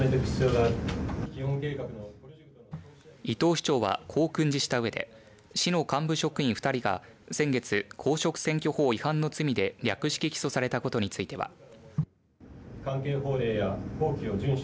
伊藤市長は、こう訓示したうえで市の幹部職員２人が先月、公職選挙法違反の罪で略式起訴されたことについては。